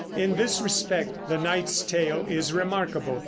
In this respect the "Knight's Tale" is remarkable.